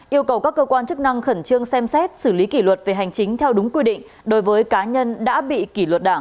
yêu cầu các cơ quan chức năng khẩn trương xem xét xử lý kỷ luật về hành chính theo đúng quy định đối với cá nhân đã bị kỷ luật đảng